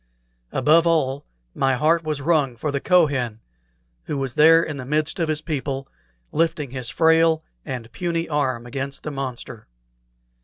Above all, my heart was wrung for the Kohen, who was there in the midst of his people, lifting his frail and puny arm against the monster.